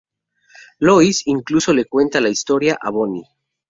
Lois incluso le cuenta la historia a Bonnie.